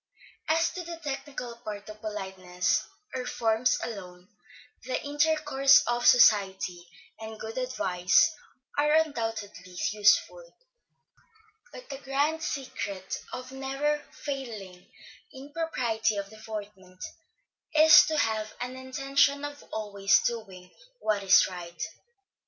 As to the technical part of politeness, or forms alone, the intercourse of society, and good advice, are undoubtedly useful; but the grand secret of never failing in propriety of deportment, is to have an intention of always doing what is right.